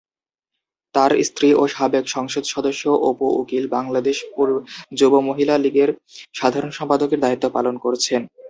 তার স্ত্রী ও সাবেক সংসদ সদস্য অপু উকিল বাংলাদেশ যুব মহিলা লীগের সাধারণ সম্পাদকের দায়িত্ব পালন করছেন।